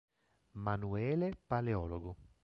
Manuele Paleologo